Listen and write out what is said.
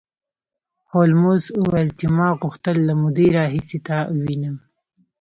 هولمز وویل چې ما غوښتل له مودې راهیسې تا ووینم